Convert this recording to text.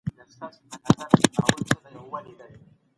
ويښ زلميانو د ښوونې او روزنې په برخه کې کار وکړ.